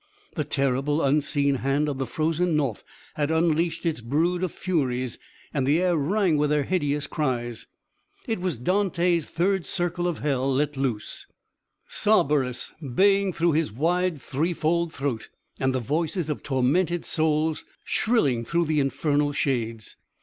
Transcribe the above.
The terrible, unseen hand of the Frozen North had unleashed its brood of furies, and the air rang with their hideous cries. It was Dante's third circle of hell let loose Cerberus baying through his wide, threefold throat, and the voices of tormented souls shrilling through the infernal shades.